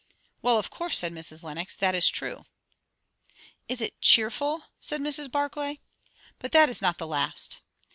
'" "Well, of course," said Mrs. Lenox. "That is true." "Is it cheerful?" said Mrs. Barclay. "But that is not the last.